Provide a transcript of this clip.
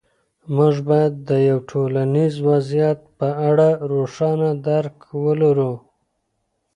موږ باید د یو ټولنیز وضعیت په اړه روښانه درک ولرو.